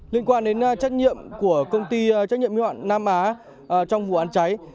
liên quan đến trách nhiệm của công ty trách nhiệm hiệu hạn nam á trong vụ án cháy